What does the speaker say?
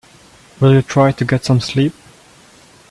Will you try to get some sleep?